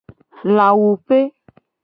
Lawupe.